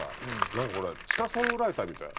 何か俺地下ソングライターみたい。